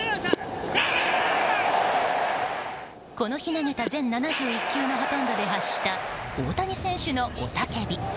この日、投げた全７１球のほとんどで発した大谷選手の雄たけび。